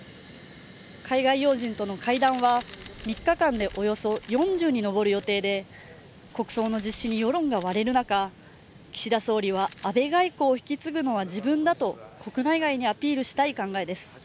海外要人との会談は３日間でおよそ４０に上る予定で国葬の実施に世論が割れる中、岸田総理は安倍外交を引き継ぐのは自分だと国内外にアピールしたい考えです。